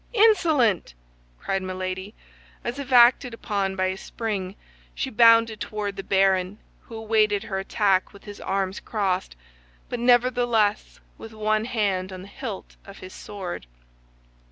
"Insolent!" cried Milady; and as if acted upon by a spring, she bounded toward the baron, who awaited her attack with his arms crossed, but nevertheless with one hand on the hilt of his sword.